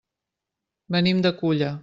Venim de Culla.